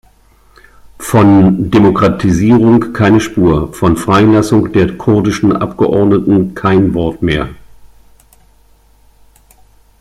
Von Demokratisierung keine Spur, von Freilassung der kurdischen Abgeordneten kein Wort mehr.